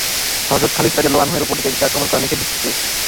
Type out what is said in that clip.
হযরত খালিদ রাযিয়াল্লাহু আনহু উপর দিক থেকে আক্রমণ করান এবং নিচের দিক থেকেও।